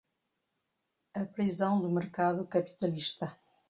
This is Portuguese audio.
a prisão do mercado capitalista